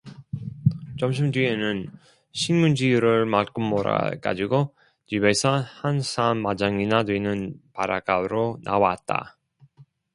점심 뒤에는 신문지를 말끔 몰아 가지고 집에서 한 삼 마장이나 되는 바닷가로 나왔다.